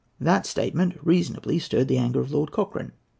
That statement reasonably stirred the anger of Lord Cochrane.